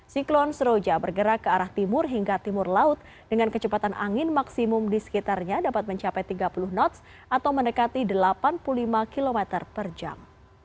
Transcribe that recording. siklon seroja bergerak ke arah timur hingga timur laut dengan kecepatan angin maksimum di sekitarnya dapat mencapai tiga puluh knots atau mendekati delapan puluh lima km per jam